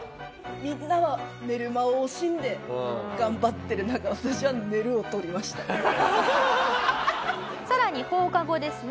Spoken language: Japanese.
みんなが寝る間を惜しんで頑張ってる中さらに放課後ですね